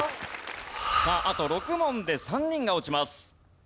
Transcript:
さああと６問で３人が落ちます。